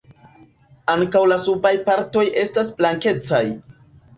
Ankaŭ la subaj partoj estas blankecaj.